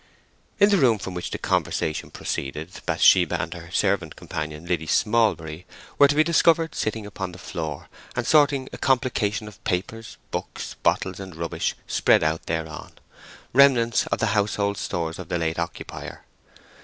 In the room from which the conversation proceeded Bathsheba and her servant companion, Liddy Smallbury, were to be discovered sitting upon the floor, and sorting a complication of papers, books, bottles, and rubbish spread out thereon—remnants from the household stores of the late occupier.